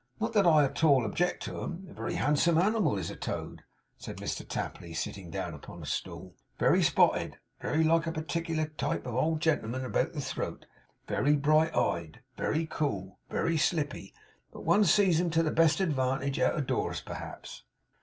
Not that I at all object to 'em. A very handsome animal is a toad,' said Mr Tapley, sitting down upon a stool; 'very spotted; very like a partickler style of old gentleman about the throat; very bright eyed, very cool, and very slippy. But one sees 'em to the best advantage out of doors perhaps.